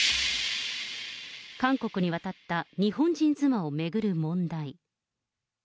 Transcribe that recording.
韓国に渡った日本人妻を巡る問題。